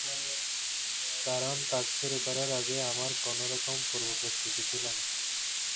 কারণ কাজ শুরু করার আগে আমার কোনো রকম পূর্ব প্রস্তুতি ছিল না।